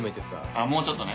あっもうちょっとね。